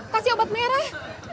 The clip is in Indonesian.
kasih obat merah